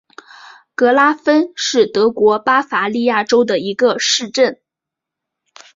格拉芬是德国巴伐利亚州的一个市镇。